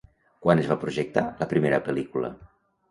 Quan es va projectar la primera pel·lícula?